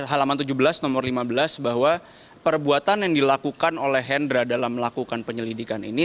halaman tujuh belas nomor lima belas bahwa perbuatan yang dilakukan oleh hendra dalam melakukan penyelidikan ini